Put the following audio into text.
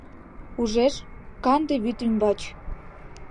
Ужеш — канде вӱд ӱмбач